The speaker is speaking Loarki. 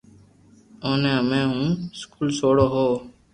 اوني ھمي ھون اسڪول سوڙو ھون